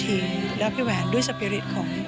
พี่ว่าความมีสปีริตของพี่แหวนเป็นตัวอย่างที่พี่จะนึกถึงเขาเสมอ